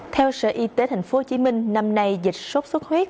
theo sở y tế tp hcm năm nay dịch sốt xuất huyết